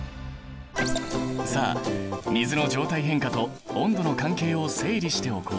さあ水の状態変化と温度の関係を整理しておこう。